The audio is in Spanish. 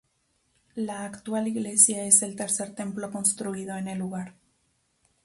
La actual iglesia es el tercer templo construido en el lugar.